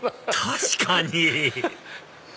確かに！